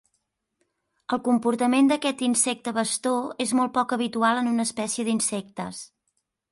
El comportament d'aquest insecte bastó és molt poc habitual en una espècie d'insectes.